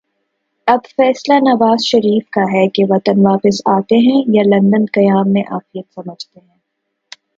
اب فیصلہ نوازشریف کا ہے کہ وطن واپس آتے ہیں یا لندن قیام میں عافیت سمجھتے ہیں۔